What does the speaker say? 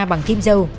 bằng tim dâu